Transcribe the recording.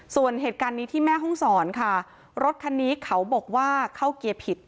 ส่วนเหตุการณ์นี้ที่แม่ห้องศรค่ะรถคันนี้เขาบอกว่าเข้าเกียร์ผิด